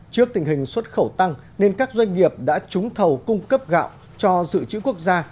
trước tình hình xuất khẩu tăng nên các doanh nghiệp đã trúng thầu cung cấp gạo cho dự trữ quốc gia